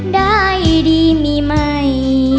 ได้ดีมีไหม